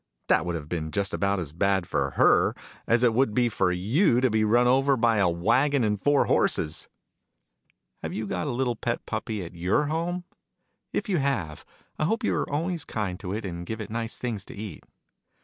That would have been just about as bad, for her , as it would be for you to be run over by a waggon and four horses ! Have you got a little pet puppy at your home? If you have, I hope you're always kind to it, and give it nice things to eat.